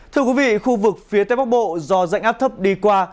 thưa quý vị khu vực phía tây bắc bộ do dạnh áp thấp đi qua